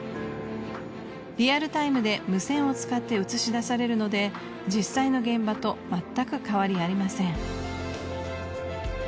リアルタイムで無線を使って映し出されるので実際の現場とまったく変わりありません。